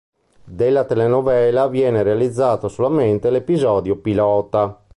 Della telenovela viene realizzato solamente l'episodio pilota.